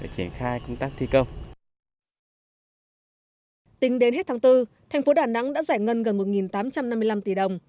tính đến hết tháng bốn thành phố đà nẵng đã giải ngân gần một tám trăm năm mươi năm tỷ đồng